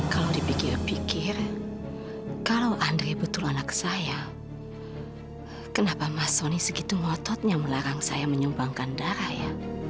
kalau dipikir pikir kalau andre betul anak saya kenapa mas soni segitu ngototnya melarang saya menyumbangkan darah ya